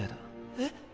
えっ？